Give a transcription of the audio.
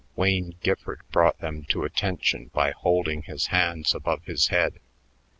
Wayne Gifford brought them to attention by holding his hands above his head.